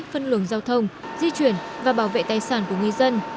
phân luồng giao thông di chuyển và bảo vệ tài sản của người dân